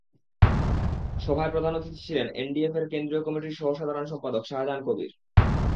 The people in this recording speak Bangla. সভায় প্রধান অতিথি ছিলেন এনডিএফের কেন্দ্রীয় কমিটির সহসাধারণ সম্পাদক শাহজাহান কবির।